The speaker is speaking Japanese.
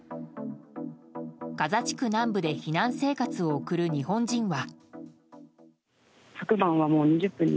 ガザ地区南部で避難生活を送る日本人は。